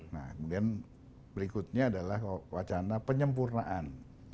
nah kemudian berikutnya adalah wacana penyempurnaan